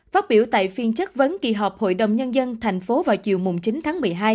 phát biểu tại phiên chất vấn kỳ họp hội đồng nhân dân thành phố vào chiều chín tháng một